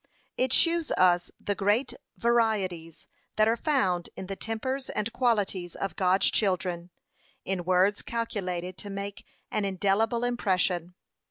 It shews us the great varieties that are found in the tempers and qualities of God's children, in words calculated to make an indelible impression.